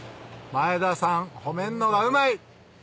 前田さん褒めんのがうまい！